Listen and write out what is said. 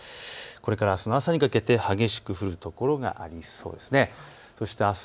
これからあすの朝にかけて激しく降る所がありそうです。